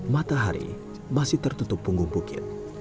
matahari masih tertutup punggung bukit